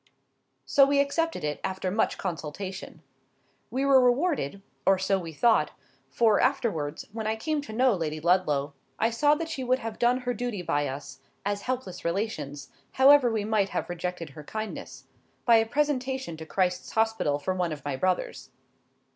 So we accepted it, after much consultation. We were rewarded,—or so we thought,—for, afterwards, when I came to know Lady Ludlow, I saw that she would have done her duty by us, as helpless relations, however we might have rejected her kindness,—by a presentation to Christ's Hospital for one of my brothers.